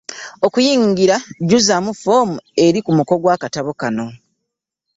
Okuyingira jjuzaamu foomu eri ku muko ogwa mu katabo kano.